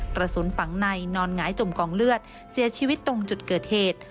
กระสุนฝังในนอนหงายจมกองเลือดเสียชีวิตตรงจุดเกิดเหตุ